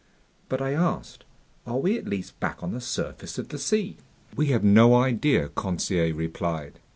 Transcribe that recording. "But," I asked, "are we at least back on the surface of the sea?" "We have no idea," Conseil replied.